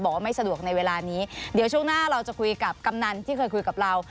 ไม่สะดวกในเวลานี้เดี๋ยวช่วงหน้าเราจะคุยกับกำนันที่เคยคุยกับเรา